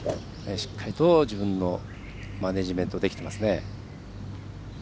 しっかりと自分のマネジメントできていますね。